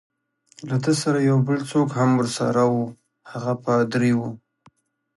له ده سره یو بل څوک هم ورسره وو، هغه پادري وو.